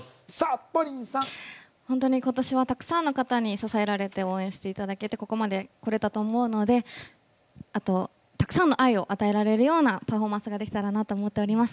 本当に今年はたくさんの方に支えられて応援していただけてここまでこれたと思うのであと、たくさんの愛を与えられるようなパフォーマンスができればなと思っております。